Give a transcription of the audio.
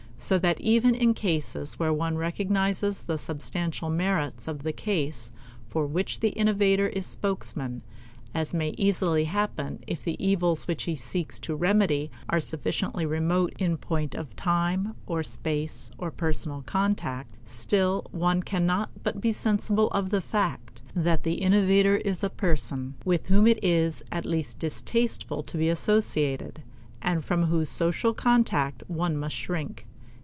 So that even in cases where one recognizes the substantial merits of the case for which the innovator is spokesman as may easily happen if the evils which he seeks to remedy are sufficiently remote in point of time or space or personal contact still one cannot but be sensible of the fact that the innovator is a person with whom it is at least distasteful to be associated, and from whose social contact one must shrink.